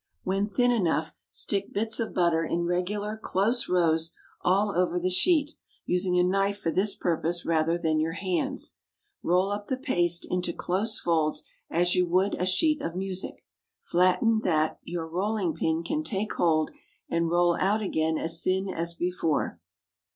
When thin enough, stick bits of butter in regular close rows all over the sheet, using a knife for this purpose rather than your hands. Roll up the paste into close folds as you would a sheet of music. Flatten it that your rolling pin can take hold, and roll out again as thin as before.